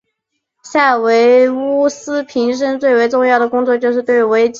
塞尔维乌斯平生最为重要的工作就是对维吉尔所着作的三部史诗杰作添加注释而闻名。